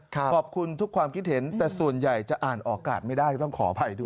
ขอบคุณทุกความคิดเห็นแต่ส่วนใหญ่จะอ่านออกอากาศไม่ได้ก็ต้องขออภัยด้วย